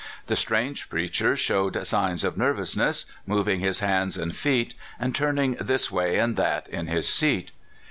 The strange preacher showed signs of nervousness, moving his hands and feet, and turning this way and that in his seat.